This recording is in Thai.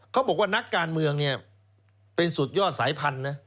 เขาบอกว่านักการเมืองเนี่ยเป็นสุดยอดสายพันธุ์นะ